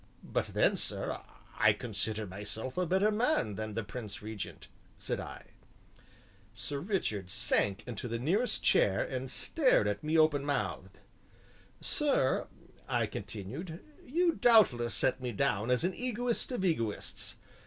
"But then, sir, I consider myself a better man than the Prince Regent," said I. Sir Richard sank into the nearest chair and stared at me openmouthed. "Sir," I continued, "you doubtless set me down as an egoist of egoists.